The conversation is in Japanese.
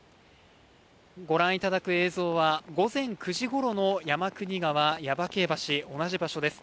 ご覧いただく映像は午前９時ごろの山国川、耶馬渓橋、同じ場所です。